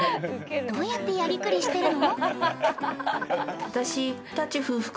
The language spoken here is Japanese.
どうやって、やりくりしてるの？